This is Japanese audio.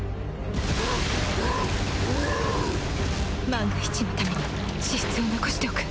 万が一のために脂質を残しておく？